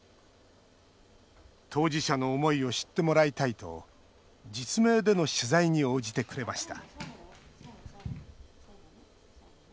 当事者の思いを知ってもらいたいと実名での取材に応じてくれました。